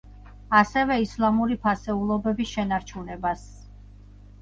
ასევე ისლამური ფასეულობების შენარჩუნებას.